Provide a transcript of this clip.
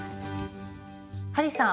ハリーさん